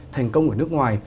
thành công ở nước ngoài